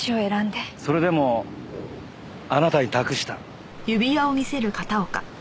それでもあなたに託したこれを。